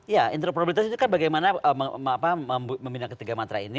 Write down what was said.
ya interprobilitas itu kan bagaimana membina ketiga matra ini